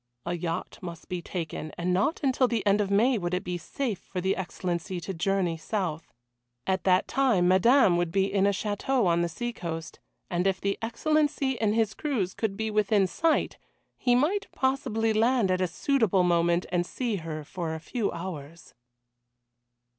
A yacht must be taken, and not until the end of May would it be safe for the Excellency to journey south. At that time Madame would be in a château on the seacoast, and if the Excellency in his cruise could be within sight, he might possibly land at a suitable moment and see her for a few hours.